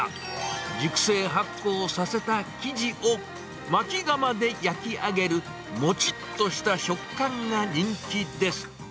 熟成発酵させた生地を、まき窯で焼き上げる、もちっとした食感が人気です。